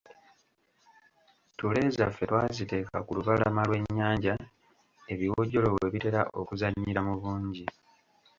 Ttule zaffe twaziteeka ku lubalama lw’ennyanja ebiwojjolo we bitera okuzannyira mu bungi.